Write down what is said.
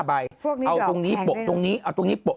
พวกนี้เดาแข็งได้เอาตรงนี้โปะตรงนี้เอาตรงนี้โปะ